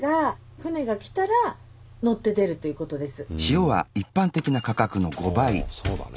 おそうだね。